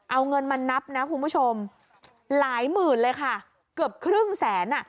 เอาเงินมานับนะคุณผู้ชมหลายหมื่นเลยค่ะเกือบครึ่งแสนอ่ะ